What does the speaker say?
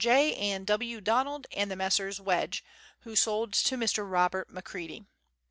J. and W. Donald and the Messrs. Wedge, who sold to Mr. Robert Macredie.